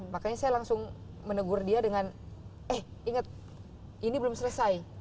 makanya saya langsung menegur dia dengan eh inget ini belum selesai